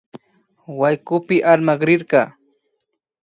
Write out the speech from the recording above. Waykupi armakrirka